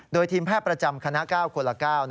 โดยทีมแพทย์ประจำคณะ๙คนละ๙